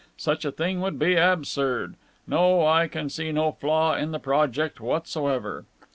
Such a thing would be absurd. No, I can see no flaw in the project whatsoever."